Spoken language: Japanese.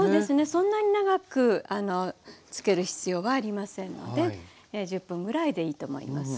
そんなに長くつける必要はありませんので１０分ぐらいでいいと思います。